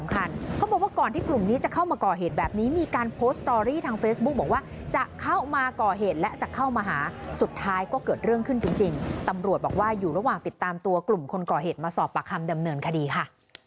กับการดำเนินคดีค่ะ